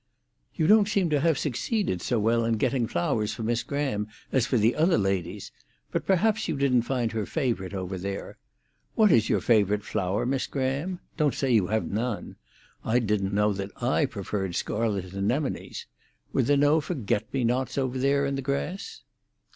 "You don't seem to have succeeded so well in getting flowers for Miss Graham as for the other ladies. But perhaps you didn't find her favourite over there. What is your favourite flower, Miss Graham? Don't say you have none! I didn't know that I preferred scarlet anemones. Were there no forget me nots over there in the grass?"